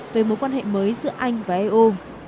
về mối quan hệ mới giữa anh và eu